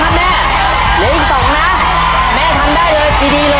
เหลืออีก๒น้ะแม่ทำได้เลยปลีอะดีเลยแม่